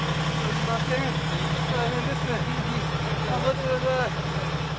頑張ってください。